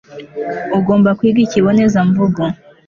ugomba kwiga ikibonezamvugo